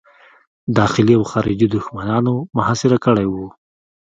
داخلي او خارجي دښمنانو محاصره کړی وو.